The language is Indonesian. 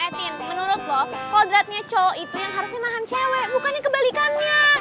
eh tien menurut lo kodratnya cowok itu yang harusnya nahan cewek bukannya kebalikannya